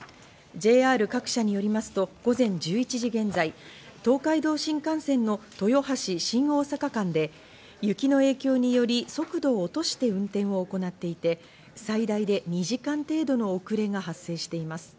ＪＲ各社によりますと午前１１時現在、東海道新幹線の豊橋−新大阪間で雪の影響により速度を落として運転を行っていて、最大で２時間程度の遅れが発生しています。